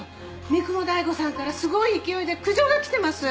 三雲大悟さんからすごい勢いで苦情が来てます。